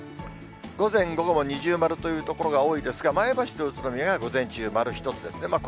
午前、午後も二重丸という所が多いですが、前橋と宇都宮が午前中、丸１つですね。